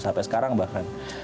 sampai sekarang bahkan